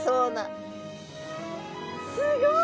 すごい！